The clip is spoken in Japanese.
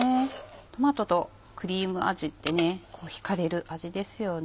トマトとクリーム味って引かれる味ですよね。